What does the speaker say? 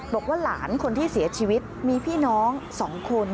บอกว่าหลานคนที่เสียชีวิตมีพี่น้อง๒คน